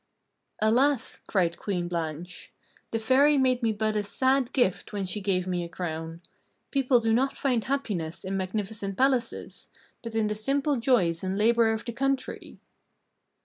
"Alas!" cried Queen Blanche, "the Fairy made me but a sad gift when she gave me a crown! People do not find happiness in magnificent palaces, but in the simple joys and labour of the country!"